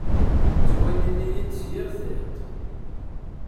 Ttwalin-iyi-d s yir tiṭ.